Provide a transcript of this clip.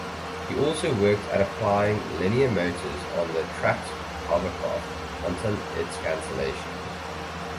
He also worked at applying linear motors on the Tracked Hovercraft until its cancellation.